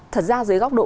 thật ra dưới góc độ